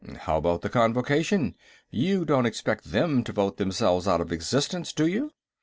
"How about the Convocation? You don't expect them to vote themselves out of existence, do you?"